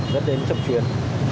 dẫn đến chậm chuyển